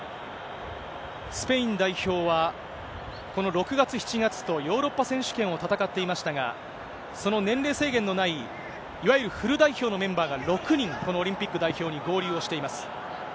スペイン代表は、この６月、７月とヨーロッパ選手権を戦っていましたが、その年齢制限のない、いわゆるフル代表のメンバーが６人、このオリンピック代表に合流をしています。